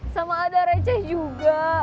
sama ada receh juga